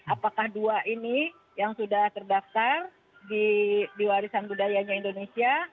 apakah dua ini yang sudah terdaftar di warisan budayanya indonesia